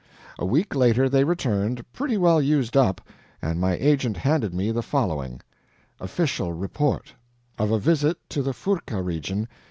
A week later they returned, pretty well used up, and my agent handed me the following: Official Report OF A VISIT TO THE FURKA REGION.